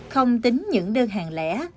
không tính những đơn hàng lẻ